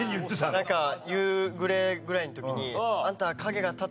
なんか夕暮れぐらいの時に。